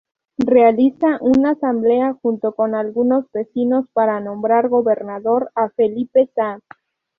Realiza un Asamblea junto con algunos vecinos para nombrar gobernador a Felipe Saá.